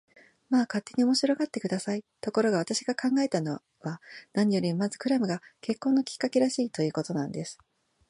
まあ、勝手に面白がって下さい。ところが、私が考えたのは、何よりもまずクラムが結婚のきっかけらしい、ということなんです。